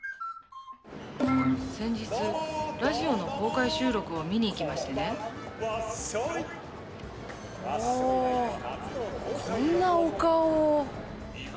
先日ラジオの公開収録を見に行きましてねほぉっこんなお顔を。